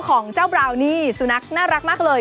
ของเจ้าบราวนี่สุนัขน่ารักมากเลย